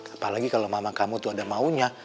apalagi kalau mama kamu tuh ada maunya